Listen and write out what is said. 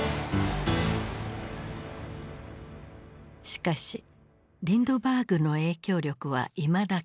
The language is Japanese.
しかしリンドバーグの影響力はいまだ健在。